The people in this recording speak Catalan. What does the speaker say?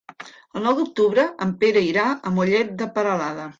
El nou d'octubre en Pere irà a Mollet de Peralada.